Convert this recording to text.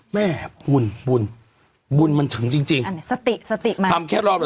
แม่บุญบุญบุญบุญมันถึงจริงจริงอันนี้สติสติมาทำแค่รอบละ